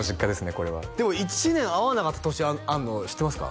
これはでも１年会わなかった年あるの知ってますか？